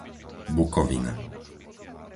Bukovina